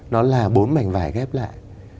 nó là bốn mảnh vải ghép lại